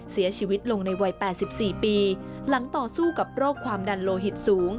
เสียชีวิตลงในวัย๘๔ปีหลังต่อสู้กับโรคความดันโลหิตสูง